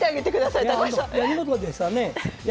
いや見事でしたね。